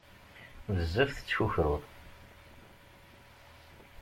Bezzaf tettkukruḍ.